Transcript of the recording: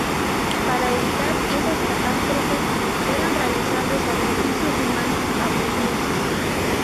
Para evitar esas catástrofes eran realizados sacrificios humanos a los dioses.